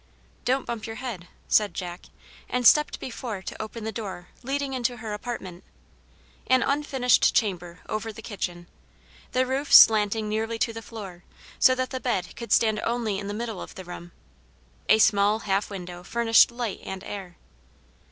"Don't bump your head," said Jack, and stepped before to open the door leading into her apartment, an unfinished chamber over the kitchen, the roof slanting nearly to the floor, so that the bed could stand only in the middle of the room. A small half window furnished light and air.